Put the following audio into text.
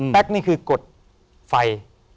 แป๊กนี่คือกดไฟ